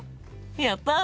やった！